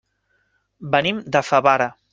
Venim de Favara.